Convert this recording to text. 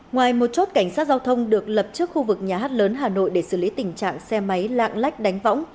ngoài một chốt cảnh sát giao thông được lập trước khu vực nhà hát lớn hà nội để xử lý tình trạng xe máy lạng lách đánh võng